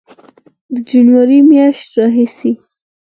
د جنورۍ میاشتې راهیسې